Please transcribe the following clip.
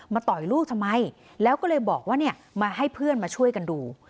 ต่อยลูกทำไมแล้วก็เลยบอกว่าเนี่ยมาให้เพื่อนมาช่วยกันดู